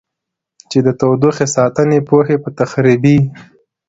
چې د تودوخې ساتنې پوښ یې په تخریبي